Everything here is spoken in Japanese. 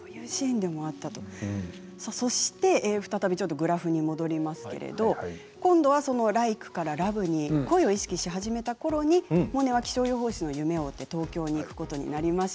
そして再びグラフに戻りますけれども今度はＬＩＫＥからＬＯＶＥに恋を意識し始めたころモネは気象予報士の夢を追って東京に行くことになります。